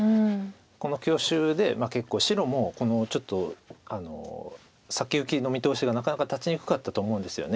この強手で結構白もちょっと先行きの見通しがなかなか立ちにくかったと思うんですよね